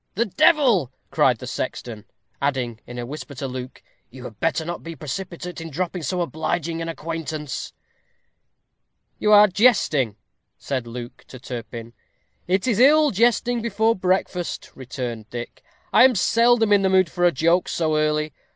"The devil!" cried the sexton; adding, in a whisper to Luke, "You had better not be precipitate in dropping so obliging an acquaintance." "You are jesting," said Luke to Turpin. "It is ill jesting before breakfast," returned Dick: "I am seldom in the mood for a joke so early.